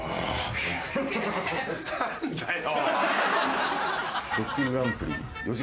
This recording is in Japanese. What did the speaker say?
何だよ。